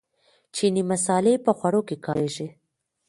چیني مسالې په خوړو کې کاریږي.